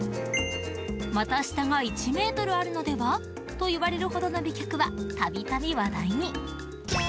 股下が１ｍあるのでは？といわれるほどの美脚は度々話題に。